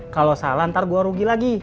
kalo salah ntar gua rugi lagi